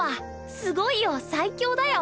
すごいよ最強だよ